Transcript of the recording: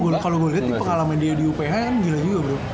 karena kalau gue liat pengalaman dia di uph kan gila juga bro